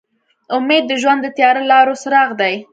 امید د ژوند د تیاره لارو څراغ دی.